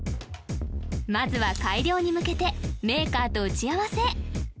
まずは改良に向けてメーカーと打ち合わせ